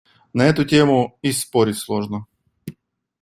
На эту тему и спорить сложно.